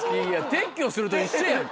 撤去すると一緒やん。